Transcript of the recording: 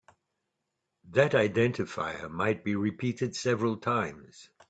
That identifier might be repeated several times.